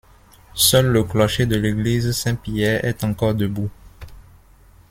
Seul le clocher de l'église Saint-Pierre est encore debout.